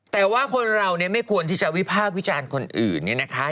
แต่ว่าคนเราเนี่ยไม่ควรที่จะวิพากษ์วิจารณ์คนอื่นเนี่ยนะคะ